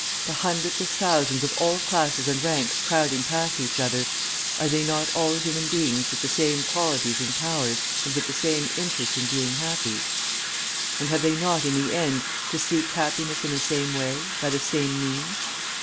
The hundreds of thousands of all classes and ranks crowding past each other, are they not all human beings with the same qualities and powers, and with the same interest in being happy? And have they not, in the end, to seek happiness in the same way, by the same means?